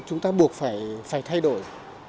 chúng ta buộc phải thay đổi